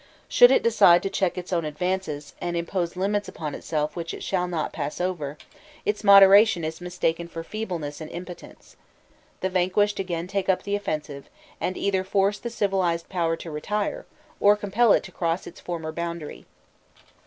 Should it decide to check its own advances, and impose limits upon itself which it shall not pass over, its moderation is mistaken for feebleness and impotence; the vanquished again take up the offensive, and either force the civilized power to retire, or compel it to cross its former boundary.